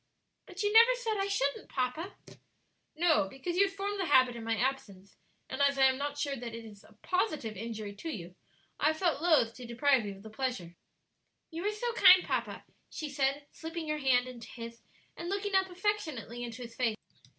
"But you never said I shouldn't, papa." "No; because you had formed the habit in my absence, and, as I am not sure that it is a positive injury to you, I have felt loath to deprive you of the pleasure." "You are so kind, papa," she said, slipping her hand into his and looking up affectionately into his face.